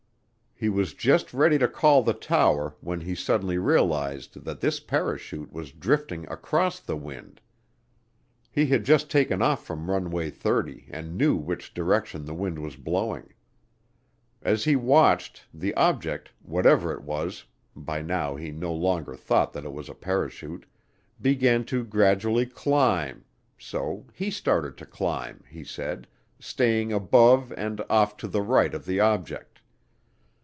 He was just ready to call the tower when he suddenly realized that this "parachute" was drifting across the wind. He had just taken off from Runway 30 and knew which direction the wind was blowing. As he watched, the object, whatever it was (by now he no longer thought that it was a parachute), began to gradually climb, so he started to climb, he said, staying above and off to the right of the object.